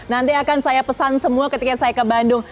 nanti akan saya pesan semua ketika saya ke bandung